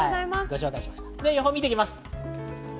予報を見ていきます。